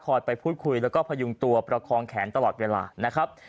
ไปพูดคุยแล้วก็พยุงตัวประคองแขนตลอดเวลานะครับ